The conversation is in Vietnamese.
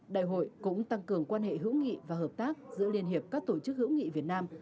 đại hội cũng tăng cường quan hệ hữu nghị và hợp tác giữa liên hiệp các tổ chức hữu nghị việt nam